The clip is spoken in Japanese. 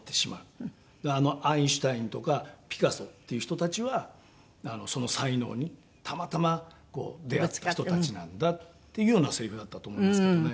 「あのアインシュタインとかピカソっていう人たちはその才能にたまたま出会った人たちなんだ」っていうようなせりふだったと思いますけどもね。